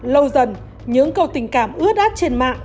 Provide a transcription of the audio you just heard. lâu dần những câu tình cảm ướt át trên mạng